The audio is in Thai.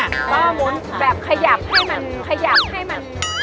ก็มุ้นแบบขยับให้มัน